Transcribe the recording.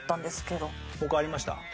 他ありました？